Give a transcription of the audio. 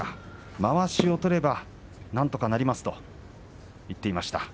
まわしを取ればなんとかなりますと言っていました。